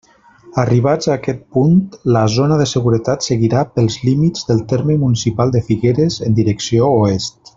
Arribats a aquest punt, la zona de seguretat seguirà pels límits del terme municipal de Figueres en direcció oest.